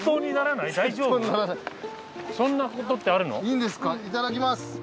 いただきます。